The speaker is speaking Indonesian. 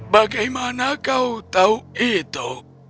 bagaimana kau tahu itu